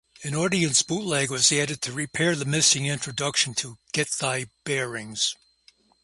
An audience bootleg was added to repair the missing introduction to "Get Thy Bearings".